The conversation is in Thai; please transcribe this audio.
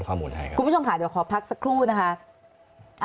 คุณผู้ชมค่ะเดี๋ยวขอพักสักครู่นะคะ